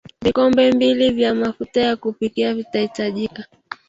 vikombe mbili vya mafuta ya kupikia vitahitajika